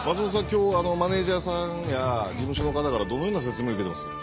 今日マネージャーさんや事務所の方からどのような説明受けてます？